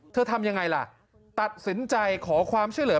เธอทำอย่างไรล่ะตัดสินใจขอความเชื่อเหลือ